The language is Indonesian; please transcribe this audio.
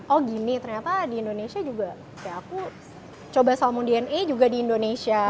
oh gini ternyata di indonesia juga kayak aku coba salmon dna juga di indonesia